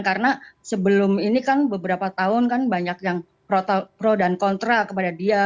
karena sebelum ini kan beberapa tahun kan banyak yang pro dan kontra kepada dia